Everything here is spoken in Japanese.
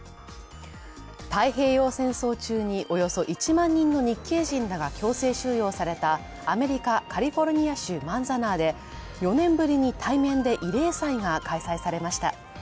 太平洋戦争中におよそ１万人の日系人らが強制収容されたアメリカ・カリフォルニア州マンザナーで４年ぶりに対面で慰霊祭が開催されました。